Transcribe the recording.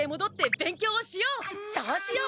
そうしよう。